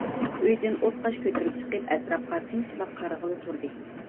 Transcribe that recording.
ئۆيدىن ئوتقاش كۆتۈرۈپ چىقىپ، ئەتراپقا سىنچىلاپ قارىغىلى تۇردى.